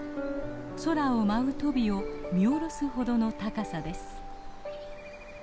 空を舞うトビを見下ろすほどの高さです。